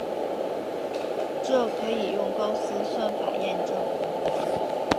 这可以用高斯算法验证。